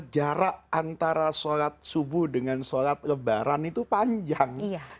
jarak antara sholat subuh dengan sholat lebaran itu panjang